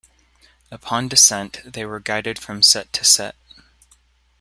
Upon descent, they were guided from set to set.